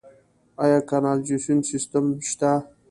آیا کانالیزاسیون سیستم شته؟